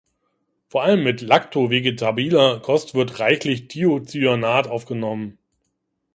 Vor allem mit lacto-vegetabiler Kost wird reichlich Thiocyanat aufgenommen.